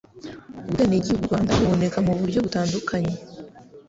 Ubwenegihugu bw'u Rwanda buboneka mu buryo butandukanye